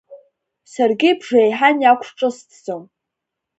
Саргьы бжеиҳан иақәҿысҭӡом.